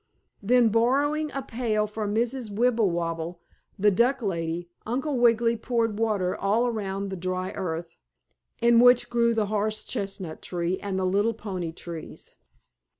Then, borrowing a pail from Mrs. Wibblewobble, the duck lady, Uncle Wiggily poured water all around the dry earth, in which grew the horse chestnut tree and the little pony trees.